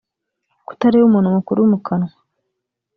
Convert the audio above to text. kutareba umuntu mukuru mu kanwa